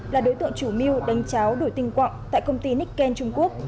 là đối tượng chủ mưu đánh cháo đổi tình quạng tại công ty nikken trung quốc